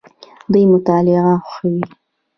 دوی مطالعه خوښوي.